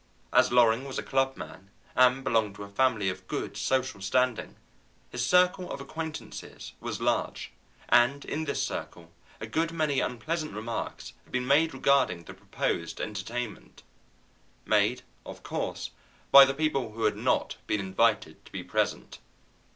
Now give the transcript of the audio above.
As Loring was a club man, and belonged to a family of good social standing, his circle of acquaintances was large, and in this circle a good many unpleasant remarks had been made regarding the proposed entertainment made, of course, by the people who had not been invited to be present.